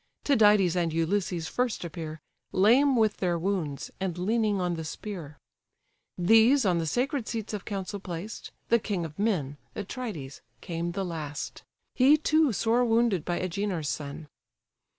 Tydides and Ulysses first appear, Lame with their wounds, and leaning on the spear; These on the sacred seats of council placed, The king of men, Atrides, came the last: He too sore wounded by Agenor's son.